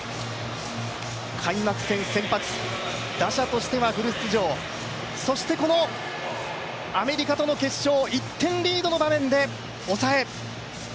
開幕戦先発、打者としてはフル出場、そしてこのアメリカとの決勝１点リードの場面で抑え。